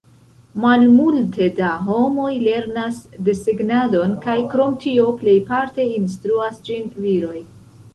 Malmulte da homoj lernas desegnadon, kaj krom tio plejparte instruas ĝin viroj.